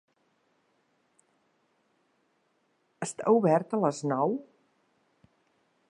Està obert a les nou?